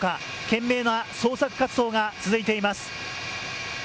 懸命な捜索活動が続いています。